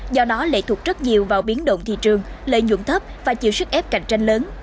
do nó lệ thuộc rất nhiều vào biến động thị trường lợi nhuận thấp và chịu sức ép cạnh tranh lớn